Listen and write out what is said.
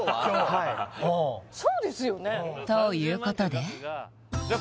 はいそうですよねということでじゃあ